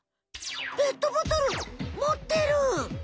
ペットボトルもってる！